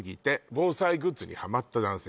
「防災グッズにハマった男性」